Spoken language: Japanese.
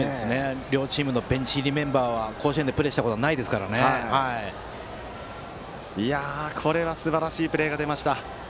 両チームのベンチ入りメンバーは甲子園でプレーしたことがこれはすばらしいプレーが出ました。